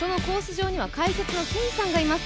上には解説の金さんがいます。